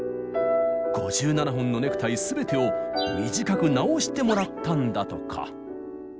５７本のネクタイ全てを短く直してもらったんだとか！